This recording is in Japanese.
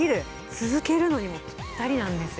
続けるのにもぴったりなんですよ。